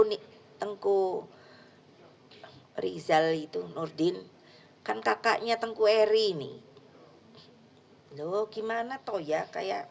unik tengku rizal itu nurdin kan kakaknya tengku eri nih loh gimana tau ya kayak